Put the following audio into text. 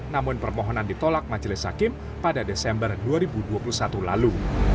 namun permohonan ditolak majelis hakim pada desember dua ribu dua puluh satu lalu